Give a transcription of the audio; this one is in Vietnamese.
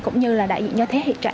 cũng như là đại diện cho thế hệ trẻ